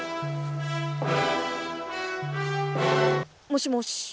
もしもし。